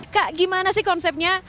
kak gimana sih konsepnya